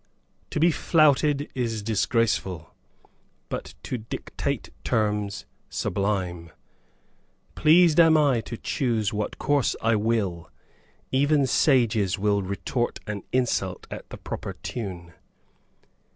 To be flouted is disgraceful, but to dictate terms, sublime Pleased am I to choose what course I will, Even sages will retort an insult at the proper time.